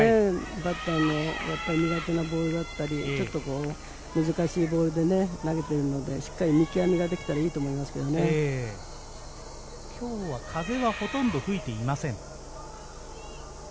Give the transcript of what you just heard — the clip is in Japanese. バッターの苦手なボールだったり、難しいボールで投げているので、しっかり見極めができたらいいと今日は風はほとんど吹いていません。